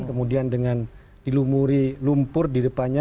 kemudian dengan dilumuri lumpur di depannya